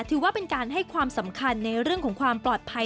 ถือว่าเป็นการให้ความสำคัญในเรื่องของความปลอดภัย